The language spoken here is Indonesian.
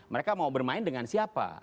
mereka mau bermain dengan siapa